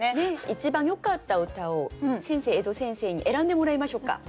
一番よかった歌を江戸先生に選んでもらいましょうか。